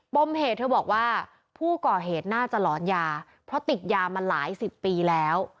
มเหตุเธอบอกว่าผู้ก่อเหตุน่าจะหลอนยาเพราะติดยามาหลายสิบปีแล้ว